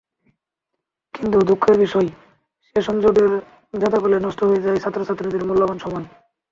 কিন্তু দুঃখের বিষয়, সেশনজটের জাঁতাকলে নষ্ট হয়ে যায় ছাত্রছাত্রীদের মূল্যবান সময়।